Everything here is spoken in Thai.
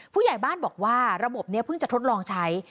ผู้ใหญ่บ้านบอกว่าระบบนี้เพิ่งจะทดลองใช้